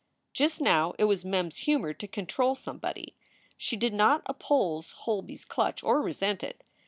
Just now it was Mem s humor to control somebody. She did not oppose Holby s clutch or resent it.